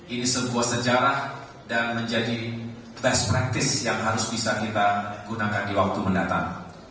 ini sebuah sejarah dan menjadi best practice yang harus bisa kita gunakan di waktu mendatang